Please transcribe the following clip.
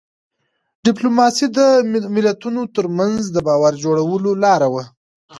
ډيپلوماسي د ملتونو ترمنځ د باور جوړولو لار وه.